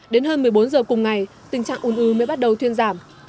đến hơn một mươi bốn giờ cùng ngày tình trạng un ứ mới bắt đầu thuyên giảm